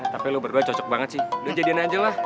tapi lo berdua cocok banget sih lo jadiin aja lah